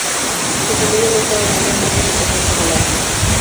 Su familia no estaba muy de acuerdo a su pasión por el arte.